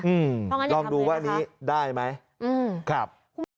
อืมลองดูว่านี้ได้ไหมอืมครับ